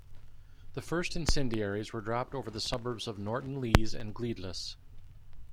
The first incendiaries were dropped over the suburbs of Norton Lees and Gleadless.